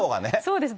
そうです。